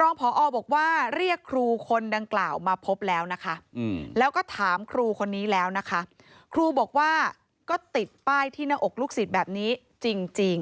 รองพอบอกว่าเรียกครูคนดังกล่าวมาพบแล้วนะคะแล้วก็ถามครูคนนี้แล้วนะคะครูบอกว่าก็ติดป้ายที่หน้าอกลูกศิษย์แบบนี้จริง